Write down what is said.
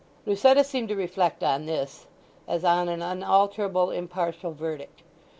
Lucetta seemed to reflect on this as on an unalterable, impartial verdict.